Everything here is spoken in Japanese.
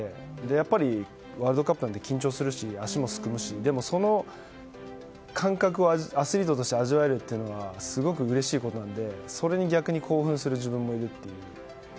やっぱりワールドカップは緊張するし、足もすくむしでも、その感覚をアスリートとして味わえるっていうのはすごくうれしいことなのでそれに逆に興奮する自分もいるという。